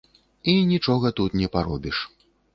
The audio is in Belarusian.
І нічога тут не паробіш.